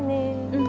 うん。